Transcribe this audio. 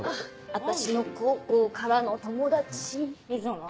私の高校からの友達。